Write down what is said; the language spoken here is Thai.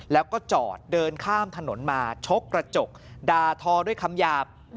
แล้วก็จอดเดินข้ามถนนมาชกกระจกด่าทอด้วยคำหยาบ